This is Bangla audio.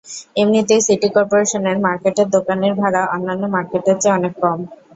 এমনিতেই সিটি করপোরেশনের মার্কেটের দোকানের ভাড়া অন্যান্য মার্কেটের চেয়ে অনেক কম।